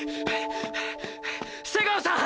瀬川さん！